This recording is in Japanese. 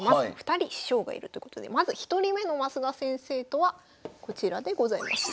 ２人師匠がいるということでまず１人目のマスダ先生とはこちらでございます。